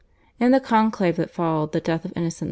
In the conclave that followed the death of Innocent X.